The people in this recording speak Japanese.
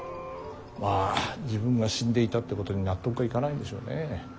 まあ自分が死んでいたってことに納得がいかないんでしょうね。